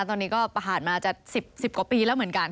ตอนนี้ก็ประหารมาจะ๑๐กว่าปีแล้วเหมือนกัน